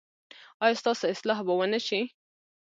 ایا ستاسو اصلاح به و نه شي؟